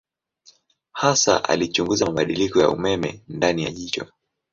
Hasa alichunguza mabadiliko ya umeme ndani ya jicho.